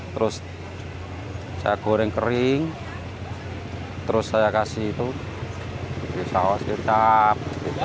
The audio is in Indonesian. terus saya goreng kering terus saya kasih itu saus kecap